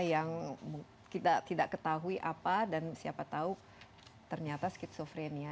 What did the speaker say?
yang kita tidak ketahui apa dan siapa tahu ternyata skizofrenia